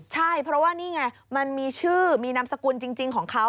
ใช่เพราะว่านี่ไงมันมีชื่อมีนามสกุลจริงของเขา